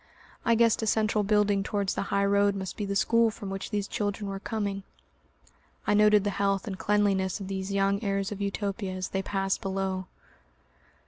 I guessed a central building towards the high road must be the school from which these children were coming. I noted the health and cleanliness of these young heirs of Utopia as they passed below.